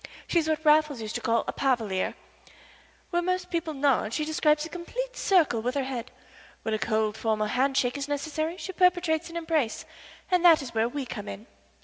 She is what Raffles used to call a palaverer. Where most people nod she describes a complete circle with her head. When a cold, formal handshake is necessary she perpetrates an embrace, and that is where we come in.